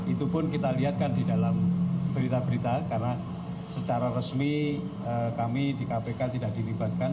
itu pun kita lihat kan di dalam berita berita karena secara resmi kami di kpk tidak dilibatkan